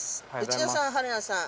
「内田さん・春菜さん